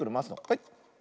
はい。